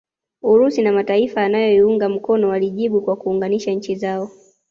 Urusi na mataifa yanayoiunga mkono walijibu kwa kuunganisha nchi zao